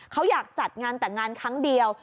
เขาอยากจัดงานแต่งงานครั้งเดียว